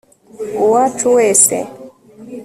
uwacu wese